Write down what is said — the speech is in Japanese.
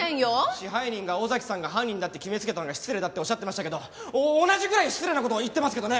支配人が尾崎さんが犯人だって決めつけたのが失礼だっておっしゃってましたけど同じぐらい失礼な事を言ってますけどね！